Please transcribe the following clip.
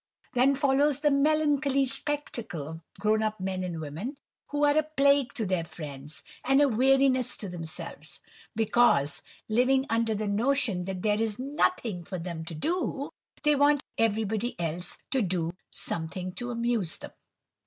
then follows the melancholy spectacle of grown up men and women, who are a plague to their friends, and a weariness to themselves; because, living under the notion that there is nothing for them to do, they want everybody else to do something to amuse them.